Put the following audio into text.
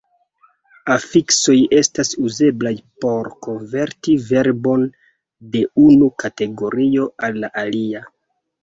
Afiksoj estas uzeblaj por konverti verbon de unu kategorio al la alia.